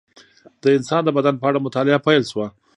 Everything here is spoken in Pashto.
د انسان د بدن په اړه مطالعه پیل شوه.